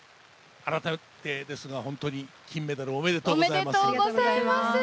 改めてですが、ほんとに金メダルおめでとうございます。